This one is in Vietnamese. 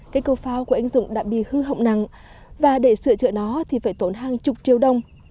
cây cầu phao của anh dũng đã bị hư hỏng nặng và để sửa chữa nó thì phải tốn hàng chục triệu đồng